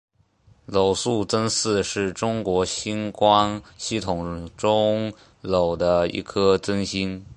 娄宿增四是中国星官系统中娄的一颗增星。